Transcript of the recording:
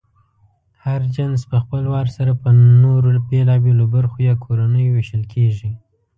هر جنس پهخپل وار سره په نورو بېلابېلو برخو یا کورنیو وېشل کېږي.